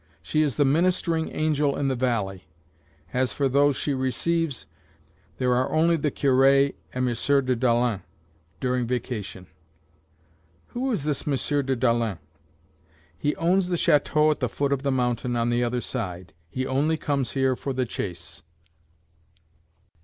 She is the ministering angel in the valley. As for those she receives, there are only the cure and M. de Dalens, during vacation." "Who is this M. de Dalens?" "He owns the chateau at the foot of the mountain on the other side; he only comes here for the chase."